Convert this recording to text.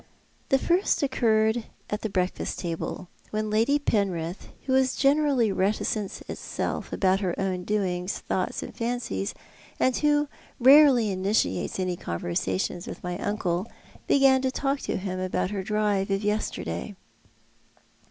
The first occurred at the breakfast table, when Lady Penrith, who is generally reticence itself about her own doings, thoughts, and fancies, and who rarely initiates any conversation with my uncle, began to talk to him about her drive of yesterday.